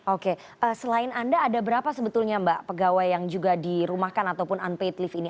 oke selain anda ada berapa sebetulnya mbak pegawai yang juga dirumahkan ataupun unpaid lift ini